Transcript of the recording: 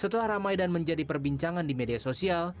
setelah ramai dan menjadi perbincangan di media sosial